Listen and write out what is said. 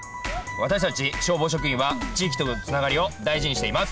私たち消防職員は地域とのつながりを大事にしています。